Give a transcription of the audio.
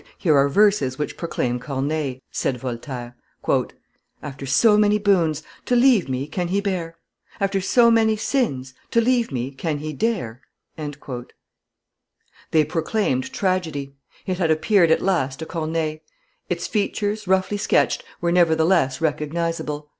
"Here are verses which proclaim Corneille," said Voltaire: "After so many boons, to leave me can he bear? After so many sins, to leave me can he dare?" They proclaimed tragedy; it had appeared at last to Corneille; its features, roughly sketched, were nevertheless recognizable.